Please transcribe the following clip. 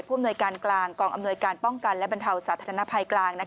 อำนวยการกลางกองอำนวยการป้องกันและบรรเทาสาธารณภัยกลาง